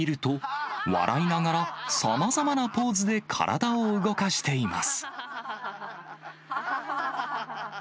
よく見ると、笑いながらさまざまなポーズで体を動かしています。